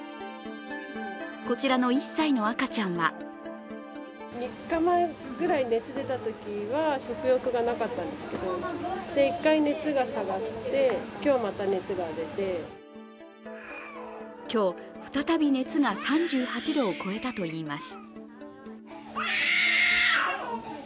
こちらの１歳の赤ちゃんは今日、再び熱が３８度を超えたといいます。